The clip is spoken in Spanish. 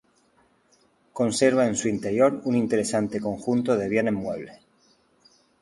Conserva en su interior un interesante conjunto de bienes muebles.